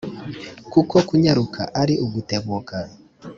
kuko kunyaruka ari ugutebuka.